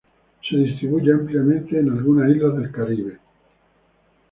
Se distribuye ampliamente en algunas islas del Caribe.